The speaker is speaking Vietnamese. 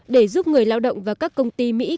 để giúp người lao động và các công ty mỹ